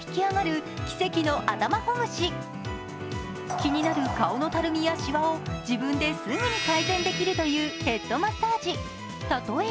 気になる顔のたるみやしわを自分ですぐに改善できるというヘッドマッサージ。